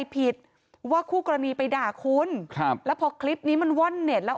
ผิดว่าคู่กรณีไปด่าคุณครับแล้วพอคลิปนี้มันว่อนเน็ตแล้ว